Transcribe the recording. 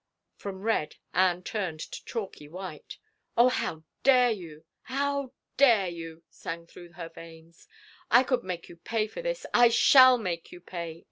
From red Anne turned to chalky white. " Oh, how dare you, how dare you !" sang through her veins. " I could make you pay for this — I shall make you pay!